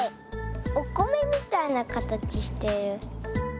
おこめみたいなかたちしてる。